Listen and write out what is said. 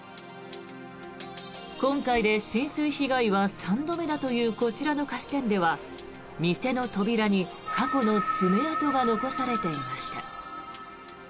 今回で浸水被害は３度目だというこちらの菓子店では店の扉に過去の爪痕が残されていました。